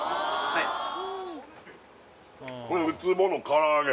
はいこれウツボの唐揚げ